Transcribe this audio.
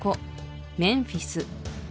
メンフィス